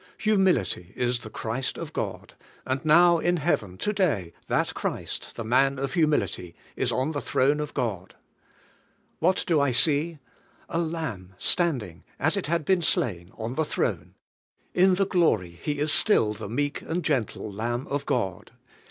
Humility is the Christ of God, and now in Heaven, to day, that Christ, the Man of humil ity, is on the throne of God. What do I see? A Lamb standing, as it had been slain, on the throne; in the glory He is still the meek and gen tle Lamb of God.